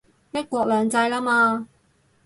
一國兩制喇嘛